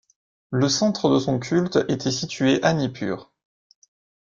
Le centre de son culte était situé à Nippur.